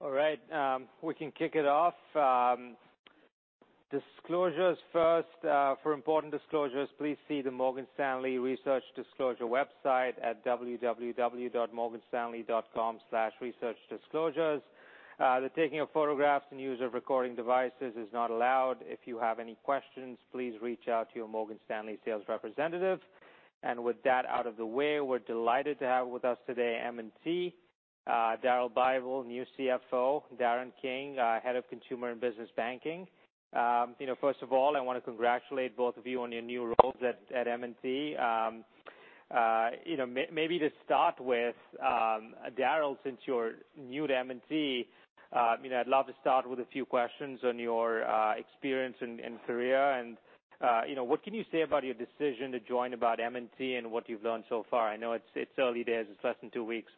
All right, we can kick it off. Disclosures first. For important disclosures, please see the Morgan Stanley Research Disclosure website at www.morganstanley.com/researchdisclosures. The taking of photographs and use of recording devices is not allowed. If you have any questions, please reach out to your Morgan Stanley sales representative. With that out of the way, we're delighted to have with us today M&T, Daryl Bible, new CFO, Darren King, Head of Consumer and Business Banking. You know, first of all, I want to congratulate both of you on your new roles at M&T. You know, maybe to start with, Daryl, since you're new to M&T, you know, I'd love to start with a few questions on your experience and career. you know, what can you say about your decision to join about M&T and what you've learned so far? I know it's early days. It's less than two weeks.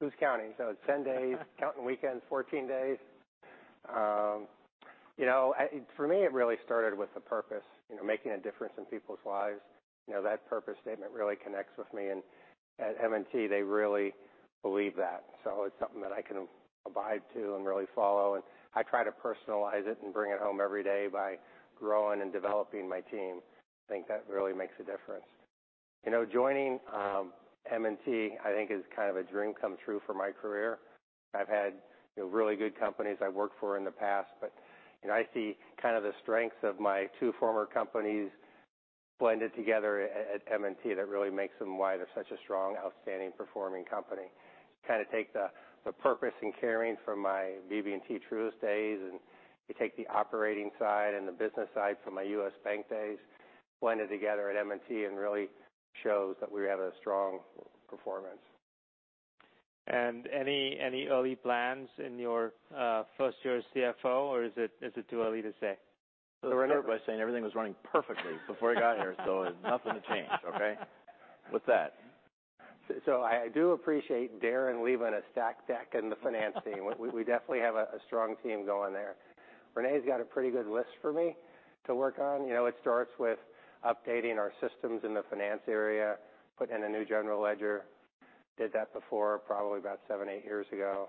Who's counting? It's 10 days. Counting weekends, 14 days. You know, for me, it really started with the purpose, you know, making a difference in people's lives. You know, that purpose statement really connects with me. At M&T, they really believe that. It's something that I can abide to and really follow, and I try to personalize it and bring it home every day by growing and developing my team. I think that really makes a difference. You know, joining M&T, I think is kind of a dream come true for my career. I've had, you know, really good companies I've worked for in the past. I see kind of the strengths of my two former companies blended together at M&T that really makes them why they're such a strong, outstanding performing company. Kind of take the purpose in caring from my BB&T Truist days, and you take the operating side and the business side from my U.S. Bank days, blend it together at M&T, and really shows that we have a strong performance. Any early plans in your first year as CFO, or is it too early to say? René, by saying everything was running perfectly before I got here, so nothing to change, okay? With that. I do appreciate Darrin leaving a stacked deck in the finance team. We definitely have a strong team going there. René's got a pretty good list for me to work on. You know, it starts with updating our systems in the finance area, putting in a new general ledger. Did that before, probably about 7, 8 years ago.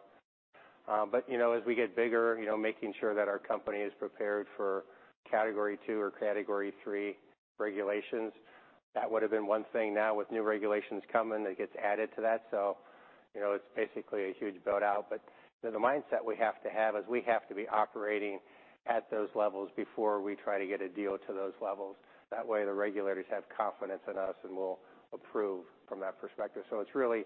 You know, as we get bigger, you know, making sure that our company is prepared for Category II or Category III regulations, that would've been one thing. Now, with new regulations coming, it gets added to that. You know, it's basically a huge build-out, but, you know, the mindset we have to have is we have to be operating at those levels before we try to get a deal to those levels. That way, the regulators have confidence in us, and we'll approve from that perspective. It's really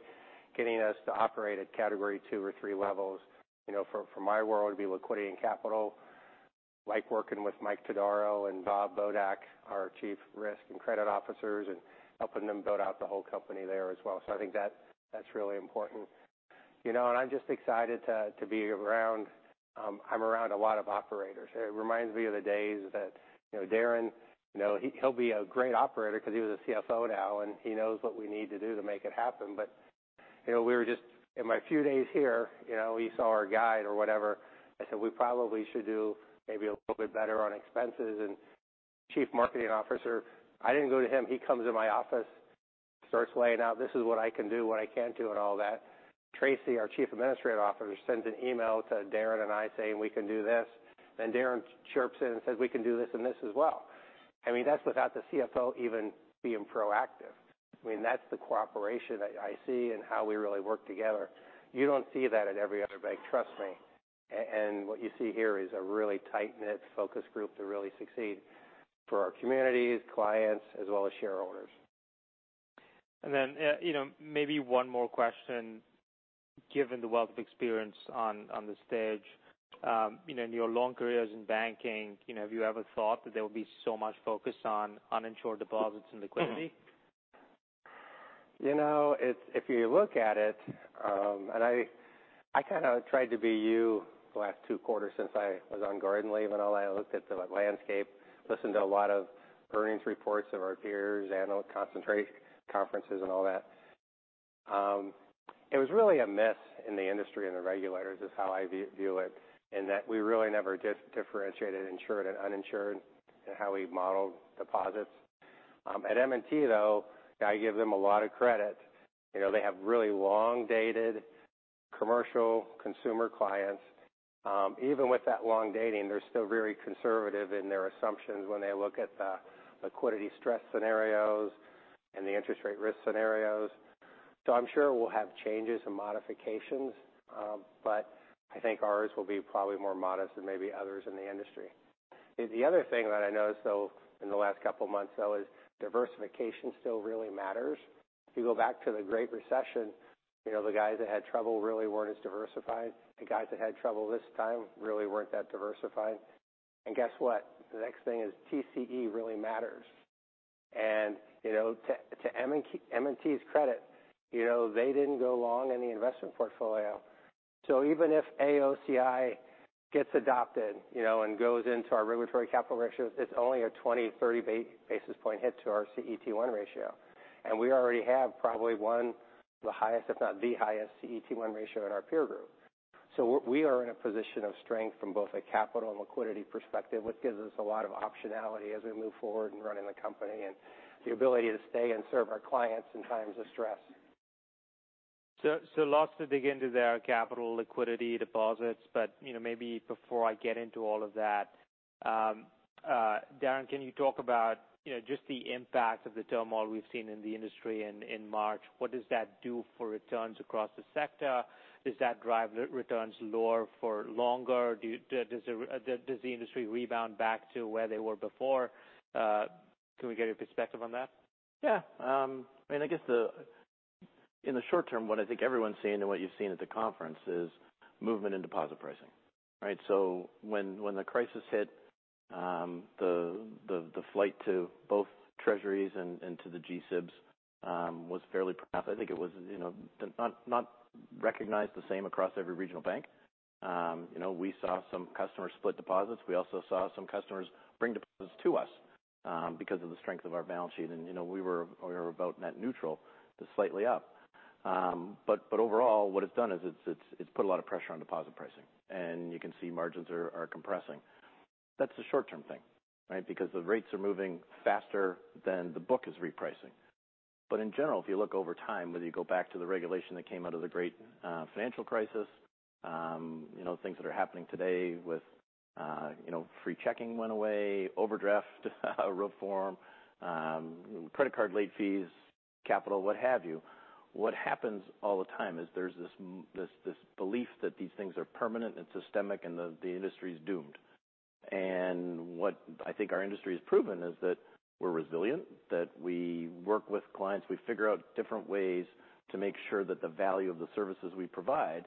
getting us to operate at Category II or Category III levels. You know, for my world, it'd be liquidity and capital. I like working with Michael Todisco and Robert P. Bojdak, our Chief Risk and Chief Credit Officers, and helping them build out the whole company there as well. I think that's really important. You know, I'm just excited to be around. I'm around a lot of operators. It reminds me of the days that, you know, Darren King, you know, he'll be a great operator because he was a CFO now, and he knows what we need to do to make it happen. You know, in my few days here, you know, we saw our guide or whatever. I said, "We probably should do maybe a little bit better on expenses." Chief marketing officer, I didn't go to him. He comes in my office, starts laying out, "This is what I can do, what I can't do," and all that. Tracy, our Chief Administrative Officer, sends an email to Darren, and I saying: We can do this. Darren chirps in and says: We can do this and this as well. I mean, that's without the CFO even being proactive. I mean, that's the cooperation I see and how we really work together. You don't see that at every other bank, trust me. What you see here is a really tight-knit, focused group to really succeed for our communities, clients, as well as shareholders. Then, you know, maybe one more question, given the wealth of experience on the stage. You know, in your long careers in banking, you know, have you ever thought that there would be so much focus on uninsured deposits and liquidity? You know, if you look at it, and I kind of tried to be you the last two quarters since I was on garden leave and all. I looked at the landscape, listened to a lot of earnings reports of our peers, annual conferences and all that. It was really a miss in the industry and the regulators, is how I view it, in that we really never differentiated insured and uninsured in how we modeled deposits. At M&T, though, I give them a lot of credit. You know, they have really long-dated commercial consumer clients. Even with that long dating, they're still very conservative in their assumptions when they look at the liquidity stress scenarios and the interest rate risk scenarios. I'm sure we'll have changes and modifications, but I think ours will be probably more modest than maybe others in the industry. The other thing that I noticed, though, in the last couple of months, though, is diversification still really matters. If you go back to the Great Recession, you know, the guys that had trouble really weren't as diversified. The guys that had trouble this time really weren't that diversified. Guess what? The next thing is TCE really matters. You know, to M&T's credit, you know, they didn't go long in the investment portfolio. Even if AOCI gets adopted, you know, and goes into our regulatory capital ratios, it's only a 20, 30 basis point hit to our CET1 ratio. We already have probably one of the highest, if not the highest, CET1 ratio in our peer group.... We are in a position of strength from both a capital and liquidity perspective, which gives us a lot of optionality as we move forward in running the company, and the ability to stay and serve our clients in times of stress. Lots to dig into there, capital, liquidity, deposits, but, you know, maybe before I get into all of that, Darren, can you talk about, you know, just the impact of the turmoil we've seen in the industry in March? What does that do for returns across the sector? Does that drive returns lower for longer? Does the industry rebound back to where they were before? Can we get your perspective on that? Yeah. I mean, I guess in the short term, what I think everyone's seeing and what you've seen at the conference, is movement in deposit pricing, right? When the crisis hit, the flight to both treasuries and to the G-SIBs was fairly pronounced. I think it was, you know, not recognized the same across every regional bank. You know, we saw some customers split deposits. We also saw some customers bring deposits to us because of the strength of our balance sheet. You know, we were about net neutral to slightly up. But overall, what it's done is it's put a lot of pressure on deposit pricing, and you can see margins are compressing. That's a short-term thing, right? Because the rates are moving faster than the book is repricing. In general, if you look over time, whether you go back to the regulation that came out of the Great Financial Crisis, you know, things that are happening today with, you know, free checking went away, overdraft, reform, credit card late fees, capital, what have you. What happens all the time is there's this belief that these things are permanent and systemic and the industry is doomed. What I think our industry has proven is that we're resilient, that we work with clients. We figure out different ways to make sure that the value of the services we provide,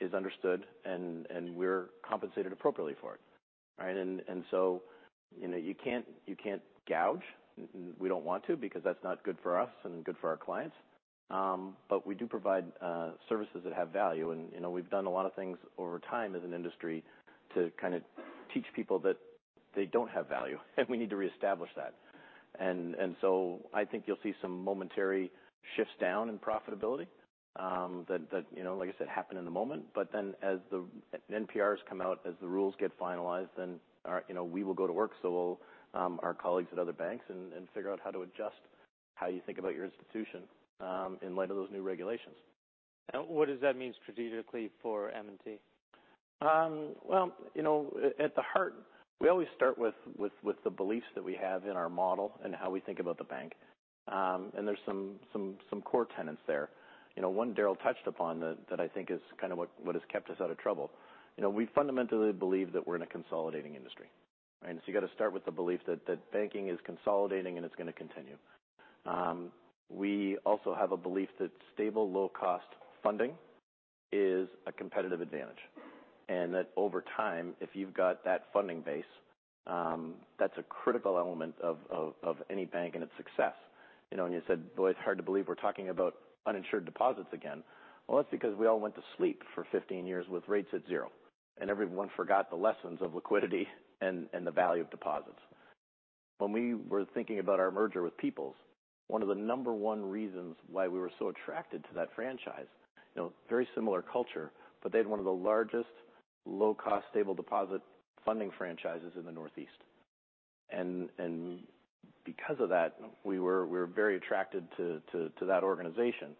is understood and we're compensated appropriately for it, right? So, you know, you can't gouge. We don't want to because that's not good for us and good for our clients. We do provide services that have value, and, you know, we've done a lot of things over time as an industry to kind of teach people that they don't have value, and we need to reestablish that. I think you'll see some momentary shifts down in profitability, that, you know, like I said, happen in the moment. As the NPR come out, as the rules get finalized, then, you know, we will go to work, so will our colleagues at other banks and figure out how to adjust how you think about your institution, in light of those new regulations. What does that mean strategically for M&T? Well, you know, at the heart, we always start with the beliefs that we have in our model and how we think about the bank. There's some core tenants there. You know, one Darrell touched upon that I think is kind of what has kept us out of trouble. You know, we fundamentally believe that we're in a consolidating industry, right? You got to start with the belief that banking is consolidating and it's going to continue. We also have a belief that stable, low-cost funding is a competitive advantage, and that over time, if you've got that funding base, that's a critical element of any bank and its success. You know, you said, "Boy, it's hard to believe we're talking about uninsured deposits again." Well, that's because we all went to sleep for 15 years with rates at zero, everyone forgot the lessons of liquidity and the value of deposits. When we were thinking about our merger with People's, one of the number one reasons why we were so attracted to that franchise, you know, very similar culture, they had one of the largest, low-cost, stable deposit funding franchises in the Northeast. Because of that, we were very attracted to that organization.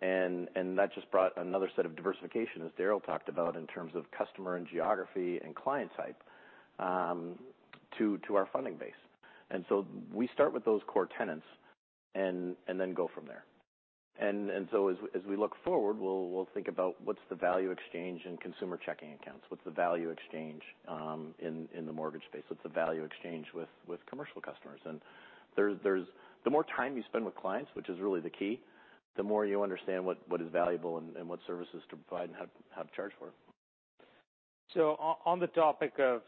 That just brought another set of diversification, as Daryl talked about, in terms of customer and geography and client type, to our funding base. We start with those core tenants and then go from there. As we look forward, we'll think about what's the value exchange in consumer checking accounts? What's the value exchange in the mortgage space? What's the value exchange with commercial customers? There's. The more time you spend with clients, which is really the key, the more you understand what is valuable and what services to provide and how to charge for it. On the topic of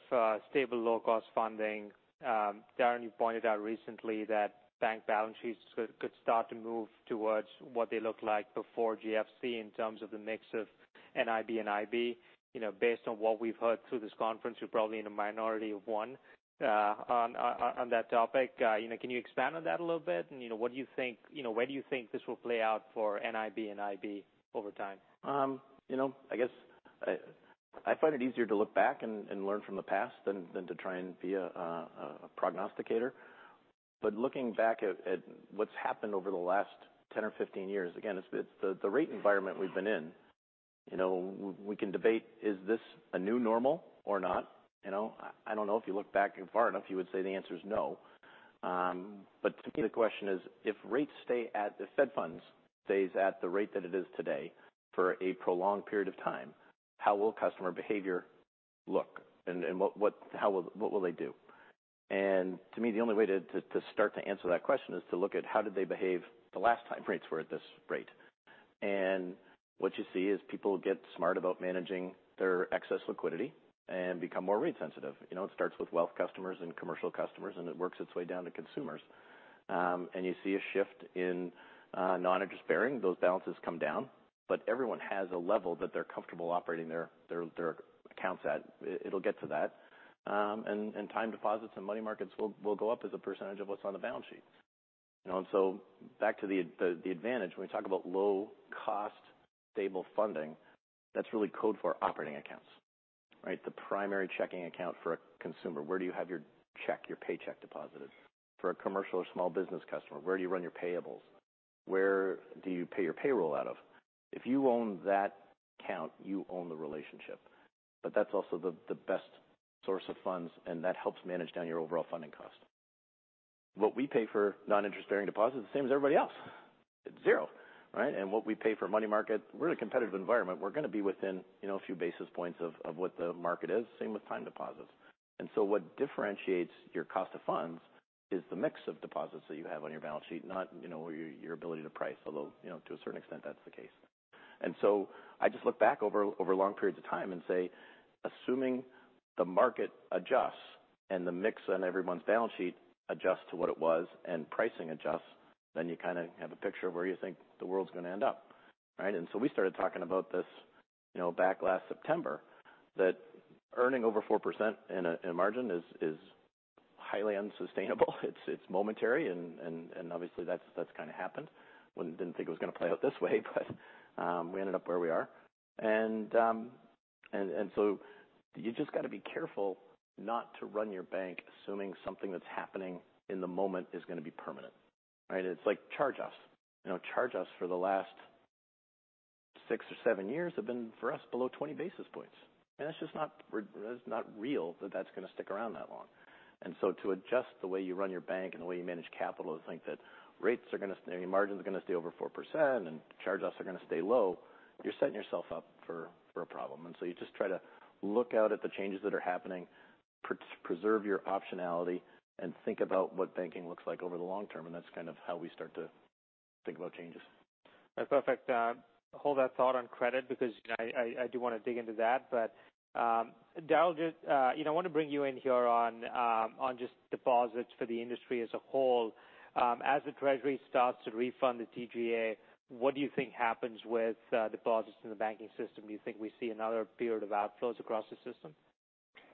stable, low-cost funding, Darren, you pointed out recently that bank balance sheets could start to move towards what they looked like before GFC in terms of the mix of NIB and IB. You know, based on what we've heard through this conference, you're probably in a minority of one on that topic. You know, can you expand on that a little bit? You know, you know, where do you think this will play out for NIB and IB over time? You know, I guess I find it easier to look back and learn from the past than to try and be a prognosticator. Looking back at what's happened over the last 10 or 15 years, again, it's the rate environment we've been in. You know, we can debate, is this a new normal or not, you know? I don't know. If you look back far enough, you would say the answer is no. To me, the question is, if rates stay at the Fed funds, stays at the rate that it is today for a prolonged period of time, how will customer behavior look and what will they do? To me, the only way to start to answer that question is to look at how did they behave the last time rates were at this rate. What you see is people get smart about managing their excess liquidity and become more rate sensitive. You know, it starts with wealth customers and commercial customers, and it works its way down to consumers. You see a shift in non-interest bearing. Those balances come down, but everyone has a level that they're comfortable operating their accounts at. It'll get to that. Time deposits and money markets will go up as a percentage of what's on the balance sheet. You know, back to the advantage, when we talk about low cost, stable funding, that's really code for operating accounts, right? The primary checking account for a consumer. Where do you have your check, your paycheck deposited? For a commercial or small business customer, where do you run your payables? Where do you pay your payroll out of? If you own that account, you own the relationship. That's also the best source of funds, and that helps manage down your overall funding cost. What we pay for non-interest-bearing deposits is the same as everybody else. It's zero, right? What we pay for money market, we're in a competitive environment. We're going to be within, you know, a few basis points of what the market is. Same with time deposits. What differentiates your cost of funds is the mix of deposits that you have on your balance sheet, not, you know, your ability to price. Although, you know, to a certain extent, that's the case. I just look back over long periods of time and say, assuming the market adjusts and the mix on everyone's balance sheet adjusts to what it was, and pricing adjusts, then you kind of have a picture of where you think the world's going to end up, right? We started talking about this, you know, back last September, that earning over 4% in a, in a margin is highly unsustainable. It's, it's momentary, and obviously, that's kind of happened. didn't think it was going to play out this way, but we ended up where we are. You just got to be careful not to run your bank assuming something that's happening in the moment is going to be permanent, right? It's like, charge-offs. You know, charge-offs for the last six or seven years have been, for us, below 20 basis points. That's just not real, that's going to stick around that long. To adjust the way you run your bank and the way you manage capital and think that rates are going to, I mean, margins are going to stay over 4%, and charge-offs are going to stay low, you're setting yourself up for a problem. You just try to look out at the changes that are happening, preserve your optionality, and think about what banking looks like over the long term, and that's kind of how we start to think about changes. That's perfect. Hold that thought on credit, because I do want to dig into that. Daryl, just, you know, I want to bring you in here on just deposits for the industry as a whole. As the Treasury starts to refund the TGA, what do you think happens with, deposits in the banking system? Do you think we see another period of outflows across the system?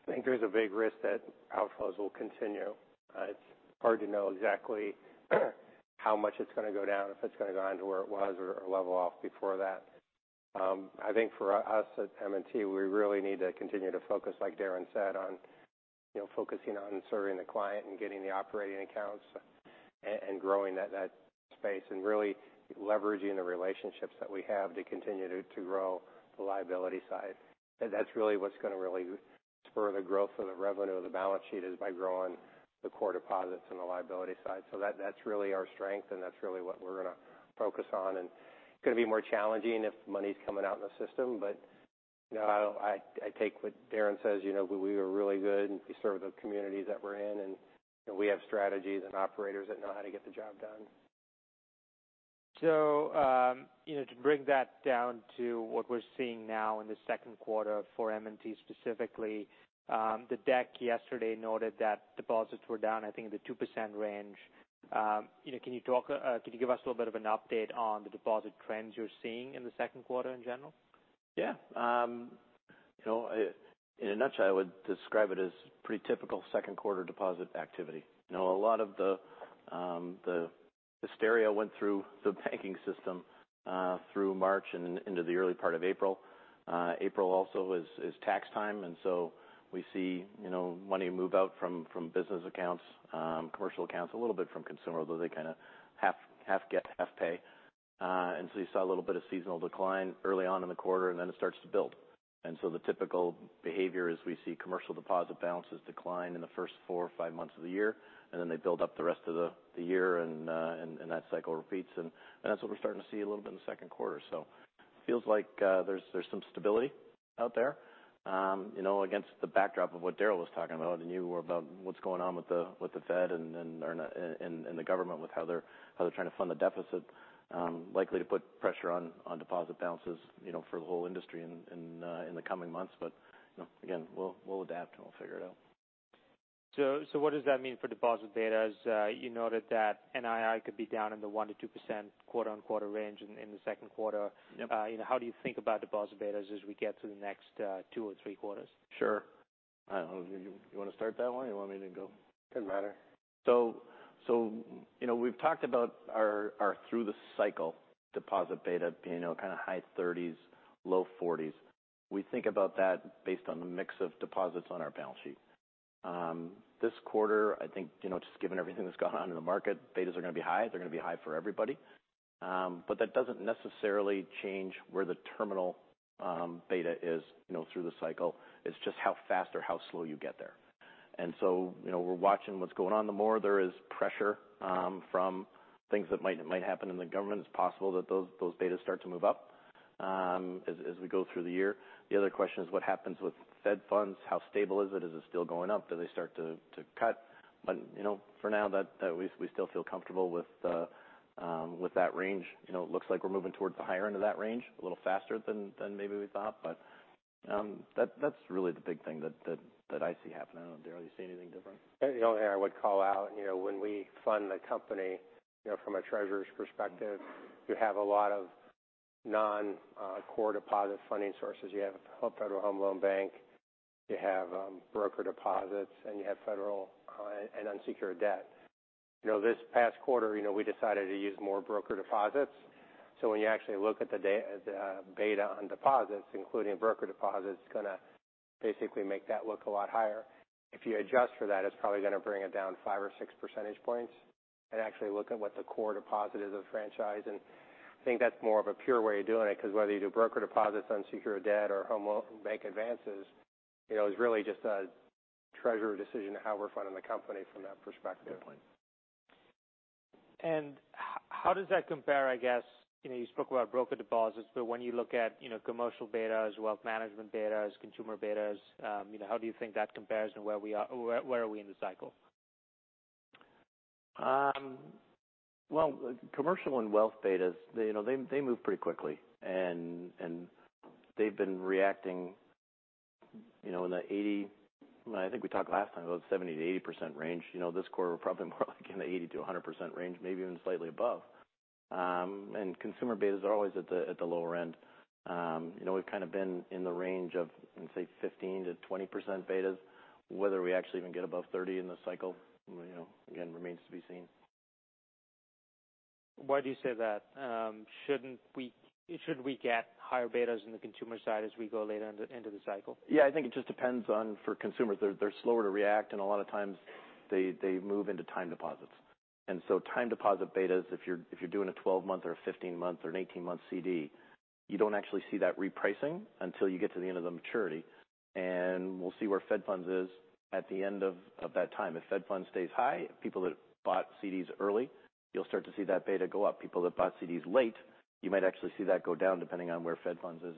I think there's a big risk that outflows will continue. It's hard to know exactly how much it's going to go down, if it's going to go down to where it was or level off before that. I think for us at M&T, we really need to continue to focus, like Darren said, on, you know, focusing on serving the client and getting the operating accounts and growing that space, and really leveraging the relationships that we have to continue to grow the liability side. That's really what's going to really spur the growth of the revenue of the balance sheet, is by growing the core deposits on the liability side. That's really our strength, and that's really what we're going to focus on. It's going to be more challenging if money's coming out in the system, but, you know, I take what Darren says, you know, we are really good, and we serve the communities that we're in, and we have strategies and operators that know how to get the job done. You know, to bring that down to what we're seeing now in the second quarter for M&T specifically, the deck yesterday noted that deposits were down, I think, in the 2% range. You know, can you give us a little bit of an update on the deposit trends you're seeing in the second quarter in general? Yeah. You know, in a nutshell, I would describe it as pretty typical second quarter deposit activity. You know, a lot of the hysteria went through the banking system through March and into the early part of April. April also is tax time. We see, you know, money move out from business accounts, commercial accounts, a little bit from consumer, although they kind of half get, half pay. You saw a little bit of seasonal decline early on in the quarter, and then it starts to build. The typical behavior is we see commercial deposit balances decline in the first four or five months of the year, and then they build up the rest of the year, and that cycle repeats. That's what we're starting to see a little bit in the second quarter. Feels like there's some stability out there, you know, against the backdrop of what Daryl was talking about what's going on with the Fed and the government, with how they're trying to fund the deficit. Likely to put pressure on deposit balances, you know, for the whole industry in the coming months. You know, again, we'll adapt, and we'll figure it out. What does that mean for deposit betas? You noted that NII could be down in the 1%-2% quarter-on-quarter range in the second quarter. Yep. you know, how do you think about deposit betas as we get to the next two or three quarters? Sure. I don't know, do you want to start that one, or you want me to go? Doesn't matter. You know, we've talked about our through-the-cycle deposit beta being, you know, kind of high 30s, low 40s. We think about that based on the mix of deposits on our balance sheet. This quarter, I think, you know, just given everything that's gone on in the market, betas are going to be high. They're going to be high for everybody. That doesn't necessarily change where the terminal beta is, you know, through the cycle. It's just how fast or how slow you get there. You know, we're watching what's going on. The more there is pressure from things that might happen in the government, it's possible that those betas start to move up as we go through the year. The other question is what happens with Fed funds? How stable is it? Is it still going up? Do they start to cut? You know, for now, that we still feel comfortable with that range. You know, it looks like we're moving towards the higher end of that range, a little faster than maybe we thought. That's really the big thing that I see happening. I don't know, Daryl, you see anything different? The only thing I would call out, you know, when we fund the company, you know, from a treasurer's perspective, you have a lot of non, core deposit funding sources. You have Federal Home Loan Bank.... you have broker deposits, and you have federal and unsecured debt. You know, this past quarter, you know, we decided to use more broker deposits. When you actually look at the beta on deposits, including broker deposits, it's going to basically make that look a lot higher. If you adjust for that, it's probably going to bring it down 5 or 6 percentage points, and actually look at what the core deposit is of the franchise. I think that's more of a pure way of doing it, 'cause whether you do broker deposits, unsecured debt, or home bank advances, you know, it's really just a treasurer decision on how we're funding the company from that perspective. How does that compare, I guess, you know, you spoke about broker deposits, but when you look at, you know, commercial betas, wealth management betas, consumer betas, you know, how do you think that compares and where are we in the cycle? Well, commercial and wealth betas, they, you know, they move pretty quickly, and they've been reacting, you know. I think we talked last time about 70%-80% range. You know, this quarter, we're probably more like in the 80%-100% range, maybe even slightly above. Consumer betas are always at the lower end. You know, we've kind of been in the range of, say, 15%-20% betas. Whether we actually even get above 30 in the cycle, you know, again, remains to be seen. Why do you say that? Shouldn't we get higher betas in the consumer side as we go later into the end of the cycle? Yeah, I think it just depends on, for consumers, they're slower to react, and a lot of times they move into time deposits. Time deposit betas, if you're doing a 12-month or a 15-month or an 18-month CD, you don't actually see that repricing until you get to the end of the maturity. We'll see where Fed funds is at the end of that time. If Fed funds stays high, people that bought CDs early, you'll start to see that beta go up. People that bought CDs late, you might actually see that go down, depending on where Fed funds is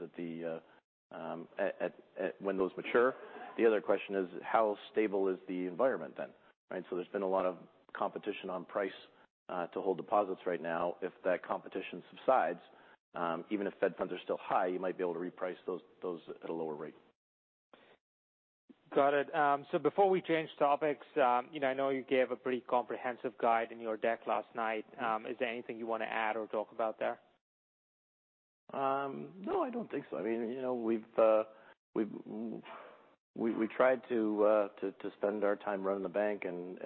at when those mature. The other question is: How stable is the environment then? Right, there's been a lot of competition on price to hold deposits right now. If that competition subsides, even if Fed funds are still high, you might be able to reprice those at a lower rate. Got it. Before we change topics, you know, I know you gave a pretty comprehensive guide in your deck last night. Is there anything you want to add or talk about there? No, I don't think so. I mean, you know, we've we tried to spend our time running the bank and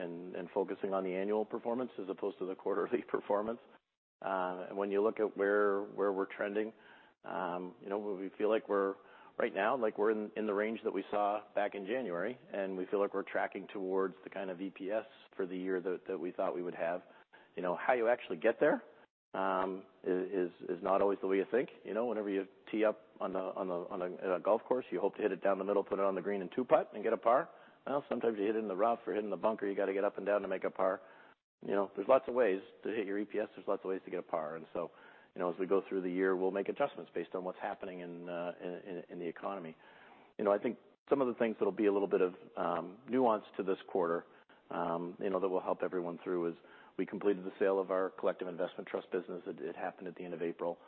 focusing on the annual performance as opposed to the quarterly performance. When you look at where we're trending, you know, we feel like we're right now, like we're in the range that we saw back in January, and we feel like we're tracking towards the kind of EPS for the year that we thought we would have. You know, how you actually get there, is not always the way you think. You know, whenever you tee up on a golf course, you hope to hit it down the middle, put it on the green and two putt and get a par. Well, sometimes you hit it in the rough or hit it in the bunker, you got to get up and down to make a par. You know, there's lots of ways to hit your EPS, there's lots of ways to get a par. You know, as we go through the year, we'll make adjustments based on what's happening in the economy. You know, I think some of the things that'll be a little bit of nuance to this quarter, you know, that will help everyone through is, we completed the sale of our collective investment trust business. It happened at the end of April.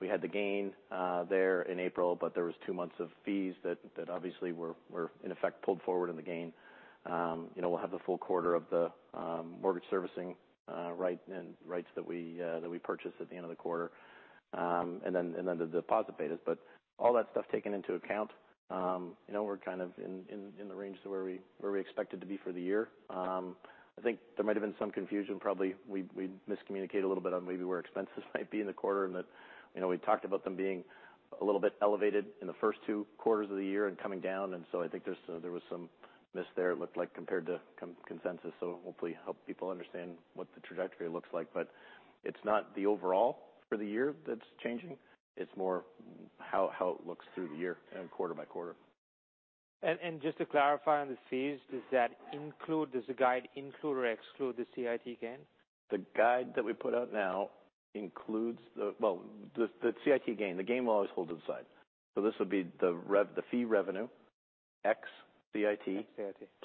We had the gain there in April, but there was 2 months of fees that obviously were, in effect, pulled forward in the gain. You know, we'll have the full quarter of the mortgage servicing right, and rights that we purchased at the end of the quarter. The deposit betas. All that stuff taken into account, you know, we're kind of in the range to where we expected to be for the year. I think there might have been some confusion, probably we miscommunicated a little bit on maybe where expenses might be in the quarter, and that, you know, we talked about them being a little bit elevated in the first two quarters of the year and coming down, I think there was some miss there, it looked like, compared to consensus. Hopefully, help people understand what the trajectory looks like. It's not the overall for the year that's changing, it's more how it looks through the year and quarter by quarter. Just to clarify on the fees, does the guide include or exclude the CIT gain? The guide that we put out now includes Well, the CIT gain. The gain will always hold it inside. This would be the rev, the fee revenue, ex CIT. Ex CIT.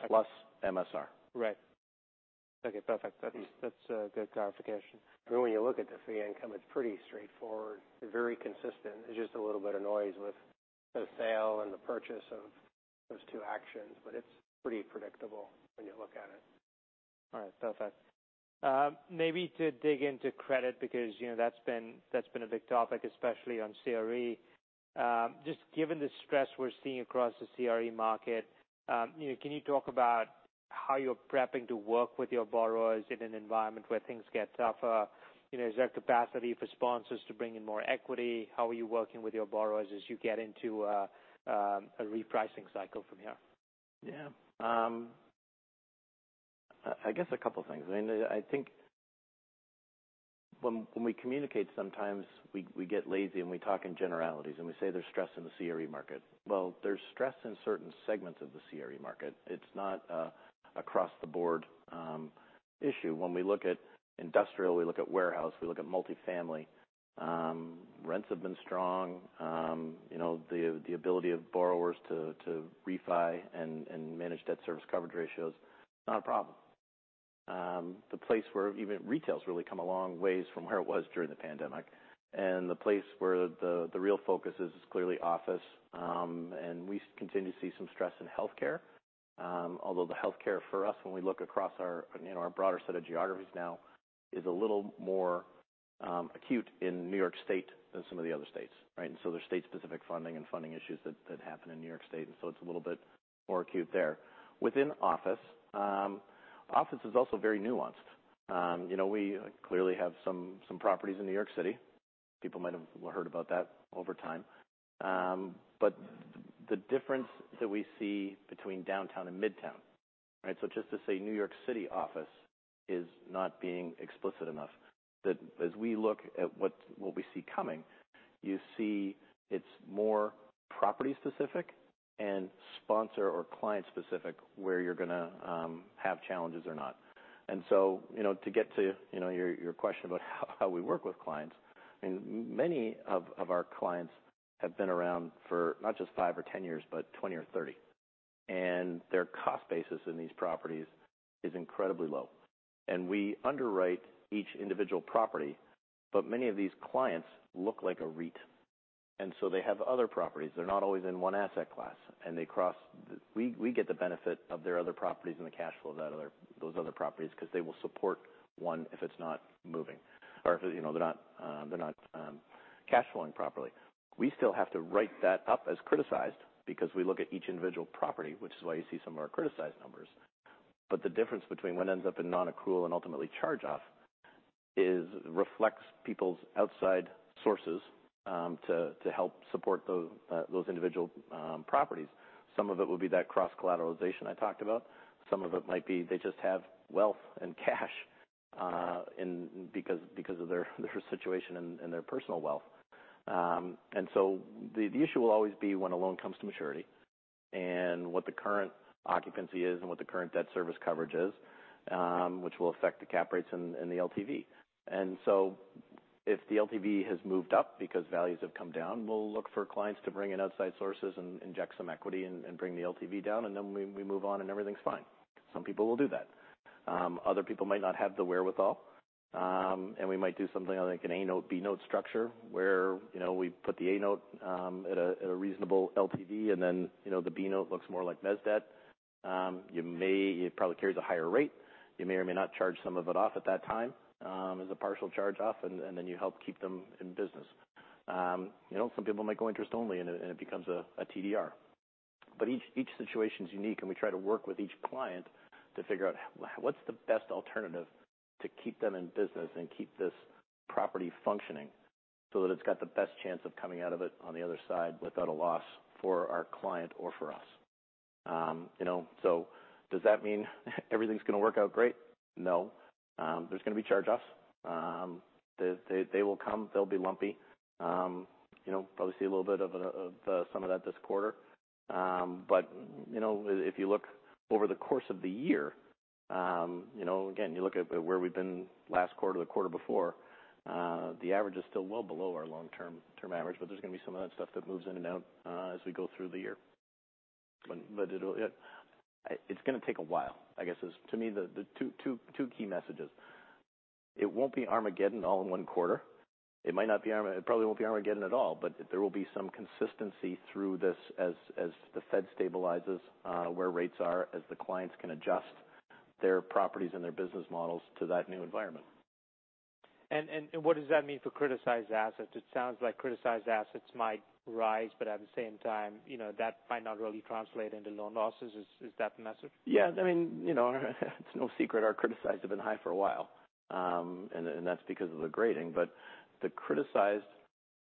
Plus MSR. Right. Okay, perfect. That's a good clarification. When you look at the fee income, it's pretty straightforward and very consistent. It's just a little bit of noise with the sale and the purchase of those two actions, but it's pretty predictable when you look at it. All right. Perfect. Maybe to dig into credit, because, you know, that's been a big topic, especially on CRE. Just given the stress we're seeing across the CRE market, you know, can you talk about how you're prepping to work with your borrowers in an environment where things get tougher? You know, is there capacity for sponsors to bring in more equity? How are you working with your borrowers as you get into a repricing cycle from here? Yeah. I guess a couple of things. I mean, I think when we communicate, sometimes we get lazy, we talk in generalities, we say there's stress in the CRE market. Well, there's stress in certain segments of the CRE market. It's not across the board issue. When we look at industrial, we look at warehouse, we look at multifamily, rents have been strong. You know, the ability of borrowers to refi and manage debt service coverage ratio is not a problem. The place where even retail's really come a long ways from where it was during the pandemic, the place where the real focus is clearly office. We continue to see some stress in healthcare. although the healthcare for us, when we look across our, you know, our broader set of geographies now, is a little more acute in New York State than some of the other states, right? There's state-specific funding and funding issues that happen in New York State, and so it's a little bit more acute there. Within office is also very nuanced. You know, we clearly have some properties in New York City. People might have heard about that over time. The difference that we see between Downtown and Midtown, right? Just to say New York City office is not being explicit enough, that as we look at what we see coming, you see it's more property specific and sponsor or client specific, where you're going to have challenges or not. You know, to get to, you know, your question about how we work with clients, I mean, many of our clients have been around for not just 5 or 10 years, but 20 or 30. Their cost basis in these properties is incredibly low. We underwrite each individual property, but many of these clients look like a REIT. They have other properties. They're not always in one asset class, we get the benefit of their other properties and the cash flow of those other properties, because they will support one if it's not moving or if, you know, they're not, they're not cash flowing properly. We still have to write that up as criticized because we look at each individual property, which is why you see some of our criticized numbers. The difference between what ends up in non-accrual and ultimately charge-off is reflects people's outside sources, to help support those individual properties. Some of it will be that cross-collateralization I talked about. Some of it might be they just have wealth and cash in because of their situation and their personal wealth. The issue will always be when a loan comes to maturity and what the current occupancy is and what the current debt service coverage is, which will affect the cap rates and the LTV. If the LTV has moved up because values have come down, we'll look for clients to bring in outside sources and inject some equity and bring the LTV down, and then we move on, and everything's fine. Some people will do that. Other people might not have the wherewithal. We might do something like an A-note, B-note structure, where, you know, we put the A-note, at a reasonable LTV, and then, you know, the B-note looks more like mezzanine debt. It probably carries a higher rate. You may or may not charge some of it off at that time, as a partial charge-off, and then you help keep them in business. You know, some people might go interest only, and it becomes a TDR. Each situation is unique, and we try to work with each client to figure out what's the best alternative to keep them in business and keep this property functioning, so that it's got the best chance of coming out of it on the other side without a loss for our client or for us. You know, does that mean everything's going to work out great? No. There's going to be charge-offs. They will come. They'll be lumpy. You know, probably see a little bit of some of that this quarter. you know, if you look over the course of the year, you know, again, you look at where we've been last quarter, the quarter before, the average is still well below our long-term average, but there's going to be some of that stuff that moves in and out, as we go through the year. It'll, It's going to take a while, I guess, is, to me, the two key messages. It won't be Armageddon all in one quarter. It might not be It probably won't be Armageddon at all, but there will be some consistency through this as the Fed stabilizes, where rates are, as the clients can adjust their properties and their business models to that new environment. What does that mean for criticized assets? It sounds like criticized assets might rise, but at the same time, you know, that might not really translate into loan losses. Is that the message? Yeah. I mean, you know, it's no secret our criticized have been high for a while, and that's because of the grading.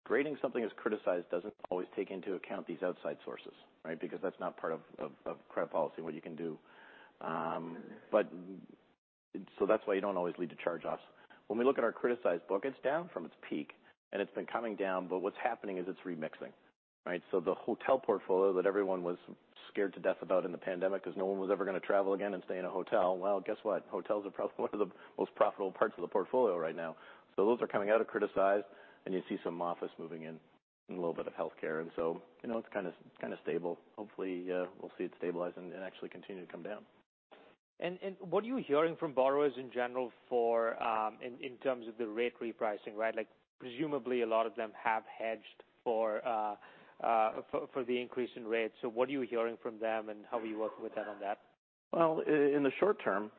Grading something as criticized doesn't always take into account these outside sources, right? That's not part of credit policy and what you can do. That's why you don't always lead to charge-offs. When we look at our criticized book, it's down from its peak, and it's been coming down, what's happening is it's remixing, right? The hotel portfolio that everyone was scared to death about in the pandemic because no one was ever going to travel again and stay in a hotel, well, guess what? Hotels are probably one of the most profitable parts of the portfolio right now. Those are coming out of criticized, and you see some office moving in and a little bit of healthcare. You know, it's kind of stable. Hopefully, we'll see it stabilize and actually continue to come down. What are you hearing from borrowers in general for in terms of the rate repricing, right? Like, presumably, a lot of them have hedged for the increase in rates. What are you hearing from them, and how are you working with them on that? Well, in the short term,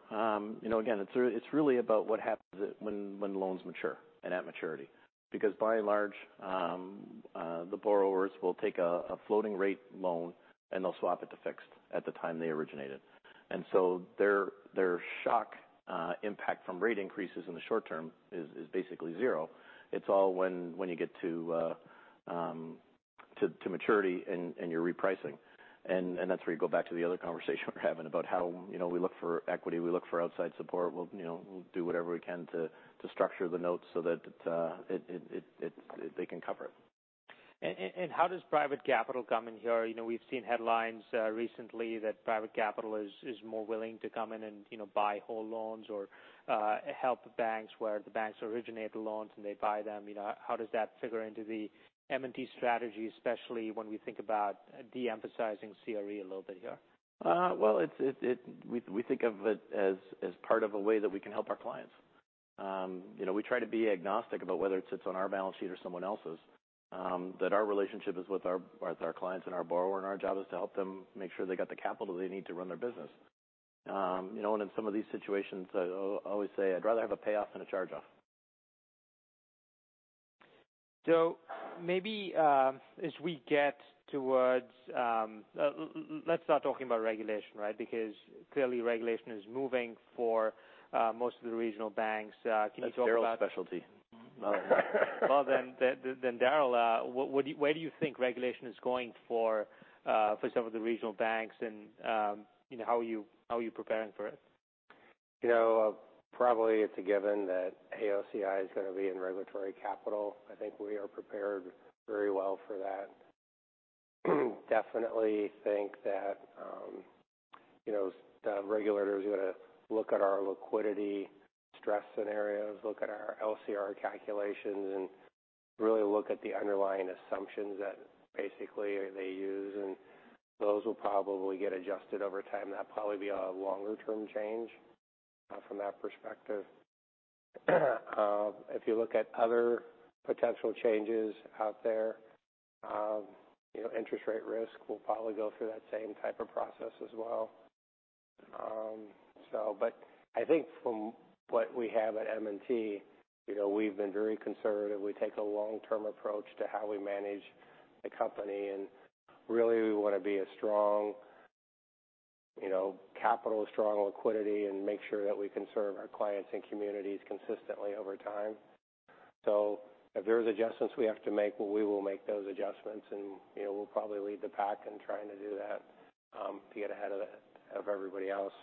you know, again, it's really about what happens when loans mature and at maturity. By and large, the borrowers will take a floating rate loan, and they'll swap it to fixed at the time they originate it. So their shock impact from rate increases in the short term is basically zero. It's all when you get to maturity and you're repricing. That's where you go back to the other conversation we're having about how, you know, we look for equity, we look for outside support. We'll, you know, do whatever we can to structure the notes so that they can cover it. How does private capital come in here? You know, we've seen headlines recently that private capital is more willing to come in and, you know, buy whole loans or help banks, where the banks originate the loans, and they buy them. You know, how does that figure into the M&T strategy, especially when we think about de-emphasizing CRE a little bit here? Well, we think of it as part of a way that we can help our clients. you know, we try to be agnostic about whether it sits on our balance sheet or someone else's, that our relationship is with our clients and our borrower, and our job is to help them make sure they got the capital they need to run their business. you know, in some of these situations, I always say I'd rather have a payoff than a charge-off. Maybe, as we get towards, let's start talking about regulation, right? Clearly, regulation is moving for most of the regional banks. Can you talk about. That's Daryl's specialty. Then, Daryl, where do you think regulation is going for some of the regional banks? You know, how are you preparing for it? You know, probably it's a given that AOCI is going to be in regulatory capital. I think we are prepared very well for that. Definitely think that, you know, the regulators are going to look at our liquidity stress scenarios, look at our LCR calculations, and really look at the underlying assumptions that basically they use, and those will probably get adjusted over time. That'll probably be a longer-term change from that perspective. If you look at other potential changes out there, you know, interest rate risk will probably go through that same type of process as well. But I think from what we have at M&T, you know, we've been very conservative. We take a long-term approach to how we manage the company, really, we want to be a strong, you know, capital, strong liquidity, and make sure that we can serve our clients and communities consistently over time. If there's adjustments we have to make, well, we will make those adjustments, and, you know, we'll probably lead the pack in trying to do that to get ahead of everybody else.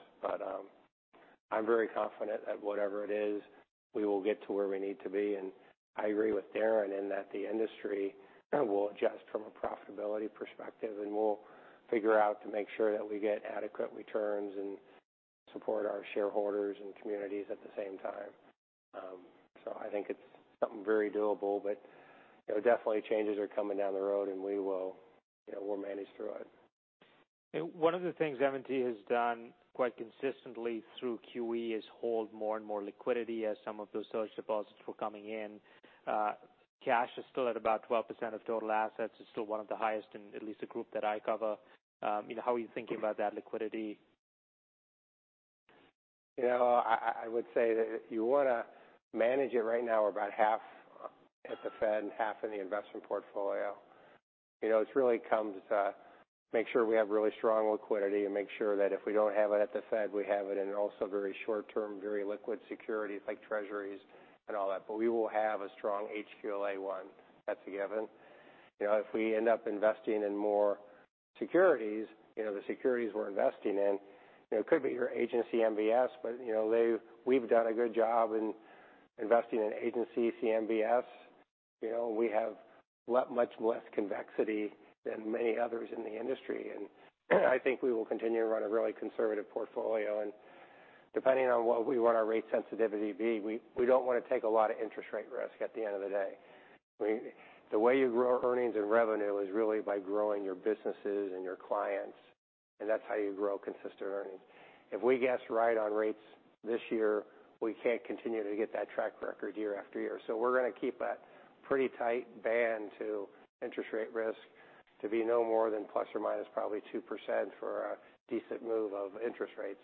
I'm very confident that whatever it is, we will get to where we need to be. I agree with Darrin in that the industry will adjust from a profitability perspective, and we'll figure out to make sure that we get adequate returns and support our shareholders and communities at the same time. I think it's something very doable, but, you know, definitely changes are coming down the road, and we will, you know, we'll manage through it. One of the things M&T has done quite consistently through QE is hold more and more liquidity as some of those social deposits were coming in. Cash is still at about 12% of total assets. It's still one of the highest in at least the group that I cover. How are you thinking about that liquidity? You know, I would say that you want to manage it. Right now, we're about half at the Fed and half in the investment portfolio. You know, it really comes to make sure we have really strong liquidity and make sure that if we don't have it at the Fed, we have it in also very short term, very liquid securities like Treasuries and all that. We will have a strong HQLA one. That's a given. You know, if we end up investing in more securities, you know, the securities we're investing in, you know, could be your agency MBS, but, you know, we've done a good job in investing in agency CMBS. You know, we have much less convexity than many others in the industry, and I think we will continue to run a really conservative portfolio. Depending on what we want our rate sensitivity to be, we don't want to take a lot of interest rate risk at the end of the day. I mean, the way you grow earnings and revenue is really by growing your businesses and your clients, and that's how you grow consistent earnings. If we guess right on rates this year, we can't continue to get that track record year after year. We're going to keep that pretty tight band to interest rate risk to be no more than plus or minus, probably 2% for a decent move of interest rates.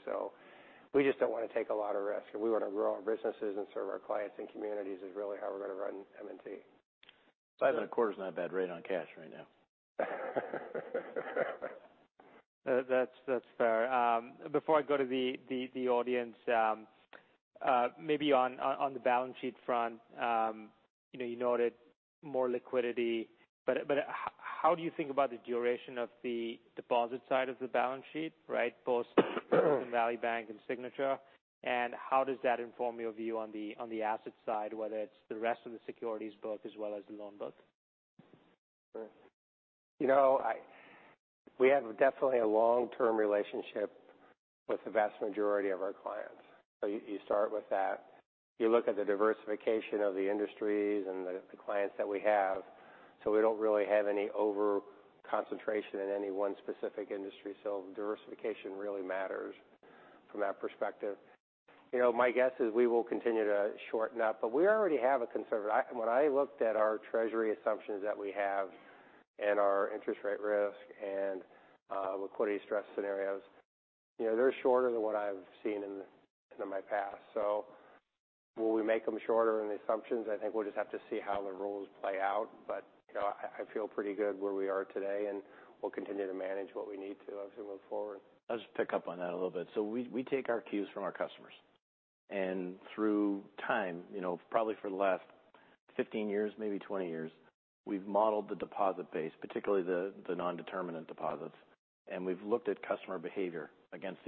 We just don't want to take a lot of risk, and we want to grow our businesses and serve our clients and communities is really how we're going to run M&T. 5.25% is not a bad rate on cash right now. That's fair. Before I go to the audience, maybe on the balance sheet front, you know, you noted more liquidity, but how do you think about the duration of the deposit side of the balance sheet, right? Post- Valley Bank and Signature Bank. How does that inform your view on the asset side, whether it's the rest of the securities book as well as the loan book? You know, we have definitely a long-term relationship with the vast majority of our clients. You start with that. You look at the diversification of the industries and the clients that we have, we don't really have any overconcentration in any one specific industry. Diversification really matters from that perspective. You know, my guess is we will continue to shorten up, we already have a conservative... When I looked at our treasury assumptions that we have and our interest rate risk and liquidity stress scenarios, you know, they're shorter than what I've seen in my past. Will we make them shorter in the assumptions? I think we'll just have to see how the rules play out. You know, I feel pretty good where we are today, and we'll continue to manage what we need to as we move forward. I'll just pick up on that a little bit. We take our cues from our customers, and through time, you know, probably for the last 15 years, maybe 20 years, we've modeled the deposit base, particularly the nondeterminant deposits, and we've looked at customer behavior against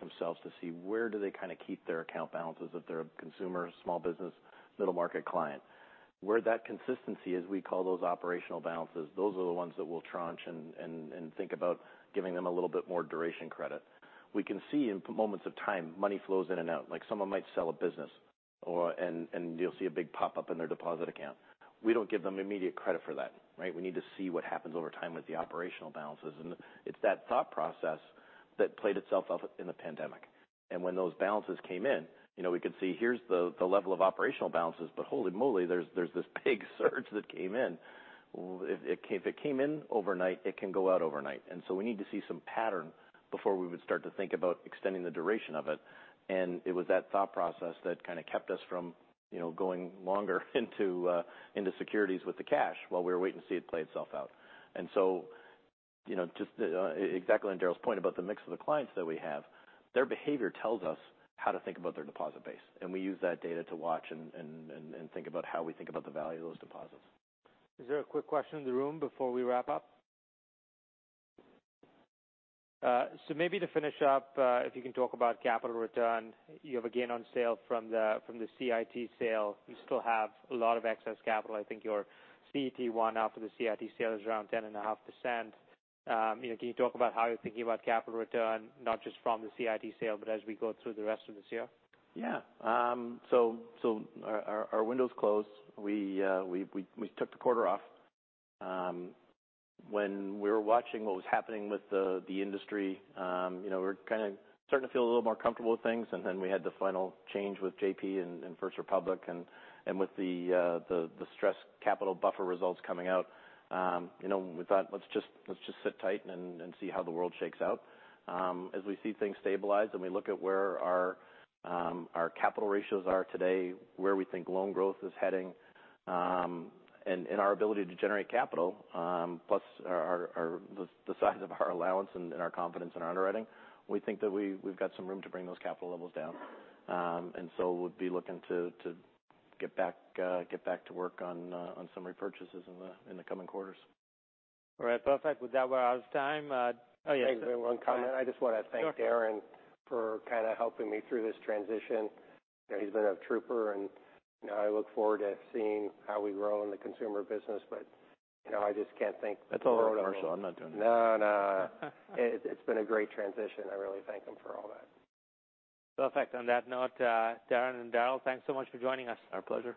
themselves, to see where do they kind of keep their account balances if they're a consumer, small business, middle market client. Where that consistency is, we call those operational balances. Those are the ones that we'll tranch and think about giving them a little bit more duration credit. We can see in moments of time, money flows in and out, like someone might sell a business or, and you'll see a big pop up in their deposit account. We don't give them immediate credit for that, right? We need to see what happens over time with the operational balances, and it's that thought process that played itself out in the pandemic. When those balances came in, you know, we could see here's the level of operational balances, but holy moly, there's this big surge that came in. If it came in overnight, it can go out overnight. We need to see some pattern before we would start to think about extending the duration of it. It was that thought process that kind of kept us from, you know, going longer into securities with the cash while we were waiting to see it play itself out. you know, just exactly on Daryl's point about the mix of the clients that we have, their behavior tells us how to think about their deposit base, and we use that data to watch and think about how we think about the value of those deposits. Is there a quick question in the room before we wrap up? Maybe to finish up, if you can talk about capital return. You have a gain on sale from the CIT sale. You still have a lot of excess capital. I think your CET1 after the CIT sale is around 10.5%. You know, can you talk about how you're thinking about capital return, not just from the CIT sale, but as we go through the rest of this year? Yeah. Our window's closed. We took the quarter off. When we were watching what was happening with the industry, you know, we were kind of starting to feel a little more comfortable with things, then we had the final change with JP and First Republic, and with the stress capital buffer results coming out, you know, we thought, let's just sit tight and see how the world shakes out. As we see things stabilize, and we look at where our capital ratios are today, where we think loan growth is heading, and our ability to generate capital, plus our, the size of our allowance and our confidence in our underwriting, we think that we've got some room to bring those capital levels down. We'll be looking to get back to work on some repurchases in the coming quarters. All right. Perfect. With that, we're out of time. Oh, yes. One comment. I just want to thank Darren for kind of helping me through this transition. He's been a trooper, and, you know, I look forward to seeing how we grow in the consumer business, but, you know, I just can't thank- That's all Daryl, I'm not doing it. No, no. It's been a great transition. I really thank him for all that. Perfect. On that note, Darren and Daryl, thanks so much for joining us. Our pleasure.